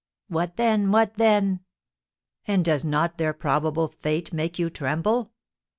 "What then? What then?" "And does not their probable fate make you tremble?"